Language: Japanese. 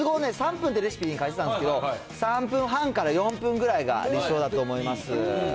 分ってレシピに書いてたんですけど、３分半から４分ぐらいが理想だと思います。